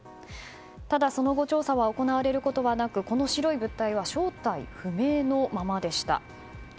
ただ、その後調査が行われることはなくこの白い物体は正体不明のままでした。